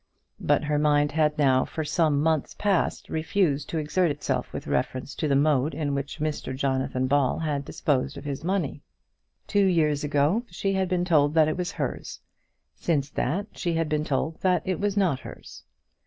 But her mind had now for some months past refused to exert itself with reference to the mode in which Mr Jonathan Ball had disposed of his money. Two years ago she had been told that it was hers; since that, she had been told that it was not hers.